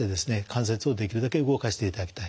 関節をできるだけ動かしていただきたい。